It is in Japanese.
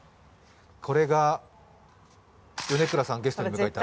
これが米倉さんゲストに迎えた